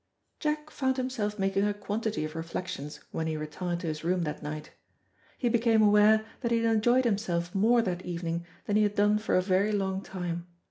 Jack found himself making a quantity of reflections, when he retired to his room that night. He became aware that he had enjoyed himself more that evening than he had done for a very long time.